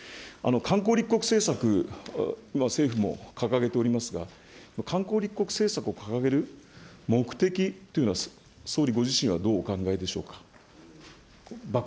観光立国政策、政府も掲げておりますが、観光立国政策を掲げる目的というのは、総理ご自身はどうお考えでしょうか。